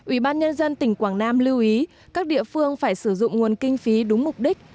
ủy ban nhân dân tỉnh quảng nam lưu ý các địa phương phải sử dụng nguồn kinh phí đúng mục đích